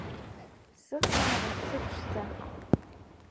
Сыхаара сыԥшӡа!